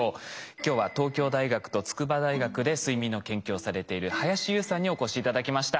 今日は東京大学と筑波大学で睡眠の研究をされている林悠さんにお越し頂きました。